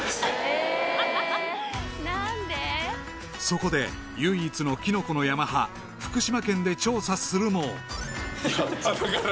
［そこで唯一のきのこの山派福島県で調査するも］